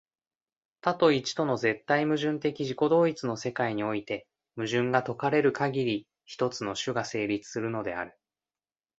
多と一との絶対矛盾的自己同一の世界において、矛盾が解かれるかぎり、一つの種が成立するのである。